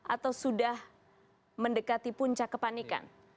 atau sudah mendekati puncak kepanikan